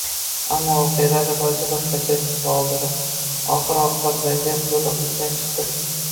Ammo voqealar rivoji boshqacha tus oldi va oxir-oqibat vaziyat to‘liq izdan chiqdi.